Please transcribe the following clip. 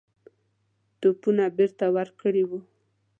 توپونه بیرته ورکړي وه.